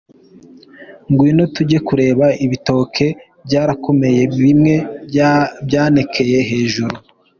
“Ngwino tujye kureba ibitoke byarakomeye, bimwe byanekeye hejuru.”